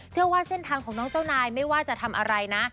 เชื่อว่าเส้นทางของน้องเจ้านายไม่ว่าจะทำอะไรนะ